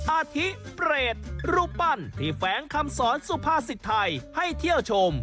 อาทิเปรตรูปปั้นที่แฝงคำสอนสุภาษิตไทยให้เที่ยวชม